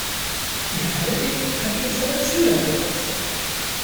Die Heraldik hatte ihn schon als Schüler begeistert.